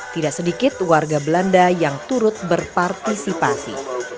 tidak sedikit warga belanda yang turut berpartisipasi